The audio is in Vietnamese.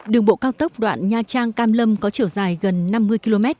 đường bộ cao tốc đoạn nha trang cam lâm có chiều dài gần năm mươi km